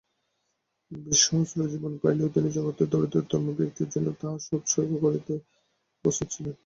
বিশ সহস্র জীবন পাইলেও তিনি জগতের দরিদ্রতম ব্যক্তির জন্য তাহা উৎসর্গ করিতে প্রস্তুত ছিলেন।